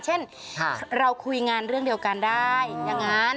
เช่นเราคุยงานเรื่องเดียวกันได้อย่างนั้น